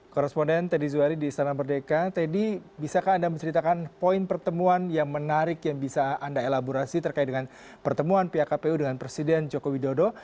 korresponden teddy zuhari di istana merdeka teddy bisakah anda menceritakan poin pertemuan yang menarik yang bisa anda elaborasi terkait dengan pertemuan pihak kpu dengan presiden joko widodo